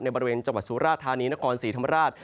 บริเวณจังหวัดสุราธานีนครศรีธรรมราช